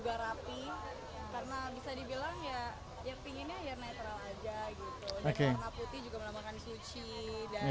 warna putih juga menambahkan suci